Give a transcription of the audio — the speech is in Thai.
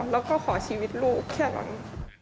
แล้วก็ขอชีวิตลูกแค่นั้น